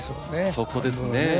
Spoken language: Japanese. そこですねええ。